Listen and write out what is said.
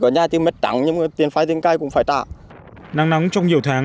nắng nắng trong nhiều tháng